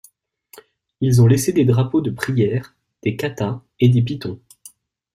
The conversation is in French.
Ils ont laissé des drapeaux de prière, des katas et des pitons.